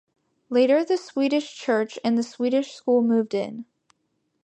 Later the Swedish church and the Swedish school moved in.